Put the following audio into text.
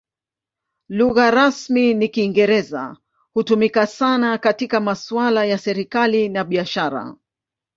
Lugha rasmi ni Kiingereza; hutumika sana katika masuala ya serikali na biashara.